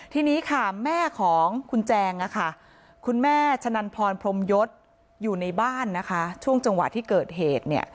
ทีนี้ค่ะแม่ของคุณแจงคุณแม่ชะนันพรพรมยศอยู่ในบ้านนะคะช่วงจังหวะที่เกิดเหตุเนี่ย